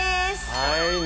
はいね